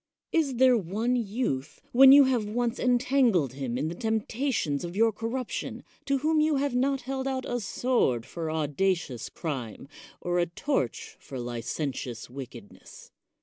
Is there one youth, when you have once entangled him in the tempta tions of your corruption, to whom you have not held out a sword for audacious crime, or a torch for licentious wickedness?